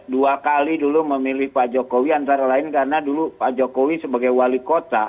dua kali dulu memilih pak jokowi antara lain karena dulu pak jokowi sebagai wali kota